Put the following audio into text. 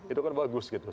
itu kan bagus gitu